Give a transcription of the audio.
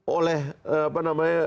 oleh apa namanya